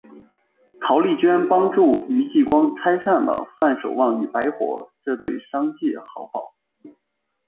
陶莉娟帮助于继光拆散了范守望与白活这对商界孖宝。